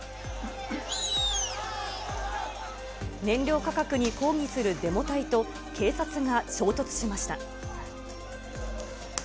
燃料価格に抗議するデモ隊と警察が衝突しました。